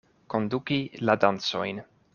Konduki la dancojn.